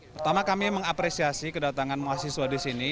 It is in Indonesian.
pertama kami mengapresiasi kedatangan mahasiswa di sini